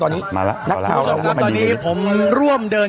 ตอนนี้ผมร่วมเดิน